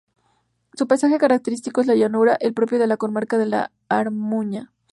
Su paisaje característico es la llanura, el propio de la comarca de La Armuña.